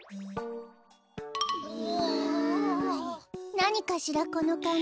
なにかしらこのかんじ。